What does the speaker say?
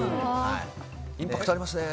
インパクトがありますね。